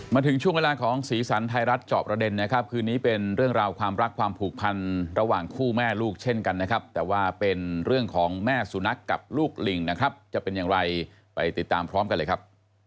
มาถึงช่วงเวลาของสีสันไทยรัฐจอบประเด็นนะครับคืนนี้เป็นเรื่องราวความรักความผูกพันระหว่างคู่แม่ลูกเช่นกันนะครับแต่ว่าเป็นเรื่องของแม่สุนัขกับลูกลิงนะครับจะเป็นอย่างไรไปติดตามพร้อมกันเลยครับ